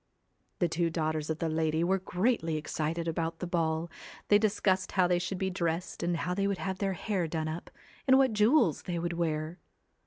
The two daughters of the lady were greatly excited about the ball ; they discussed how they should be dressed and how they would have their hair done up, and what jewels they would wear.